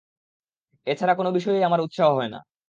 এ ছাড়া কোন বিষয়েই আমার উৎসাহ হয় না।